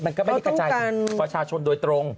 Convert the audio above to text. มันก็ไม่ได้กระจายถึงประชาชนโดยตรง